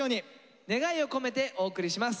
願いを込めてお送りします。